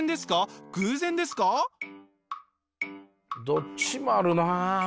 どっちもあるな。